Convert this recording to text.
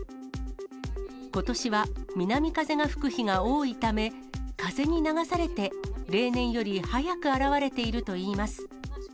ことしは南風が吹く日が多いため、風に流されて、例年より早く現れているといいます。